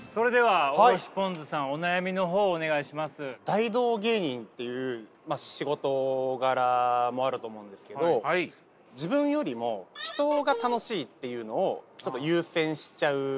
大道芸人っていう仕事柄もあると思うんですけど自分よりも人が楽しいっていうのをちょっと優先しちゃうんですよね。